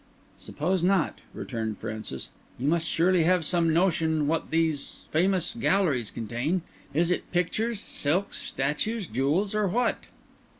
"Suppose not," returned Francis, "you must surely have some notion what these famous galleries contain. Is it pictures, silks, statues, jewels, or what?"